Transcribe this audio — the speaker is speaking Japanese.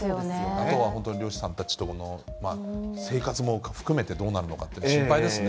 あとは本当に、漁師さんたちの生活も含めてどうなるのかって心配ですね。